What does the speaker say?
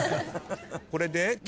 これで。